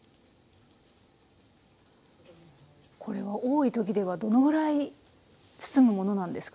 これは多い時ではどのぐらい包むものなんですか？